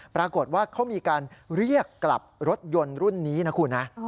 ปรากฏว่าเขามีการเรียกกลับรถยนต์รุ่นนี้นะคุณนะ